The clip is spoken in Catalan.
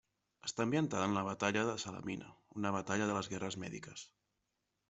Està ambientada en la Batalla de Salamina, una batalla de les Guerres Mèdiques.